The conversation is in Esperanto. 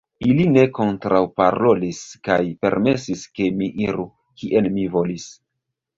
Ili ne kontraŭparolis, kaj permesis, ke mi iru, kien mi volis.